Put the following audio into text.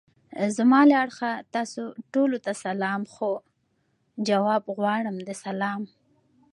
زما له اړخه تاسو ټولو ته سلام خو! جواب غواړم د سلام.